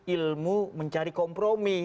ilmu mencari kompromi